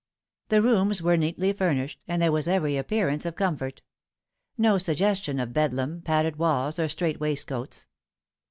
The rooms were neatly furnished, and there was every appearance of comfort ; no suggestion of Bedlam, padded walls, or strait waistcoats.